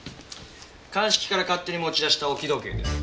鑑識から勝手に持ち出した置き時計です。